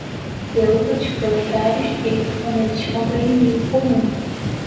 de luta dos proletários e camponeses contra o inimigo comum